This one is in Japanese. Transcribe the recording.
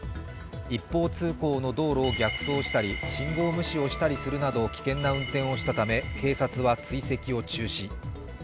一方通行の道路を逆走したり信号無視をしたりするなど危険な運転をしたため警察は追跡を中止。